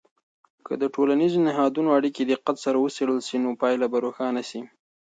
که د ټولنیزو نهادونو اړیکې دقت سره وڅیړل سي، نو پایله به روښانه سي.